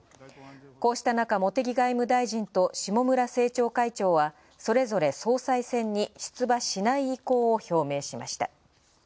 こうした中、茂木外務大臣と下村政調会長はそれぞれ総裁選に出馬しない意向を表明しました。